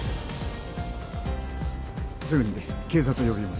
すぐに警察を呼びます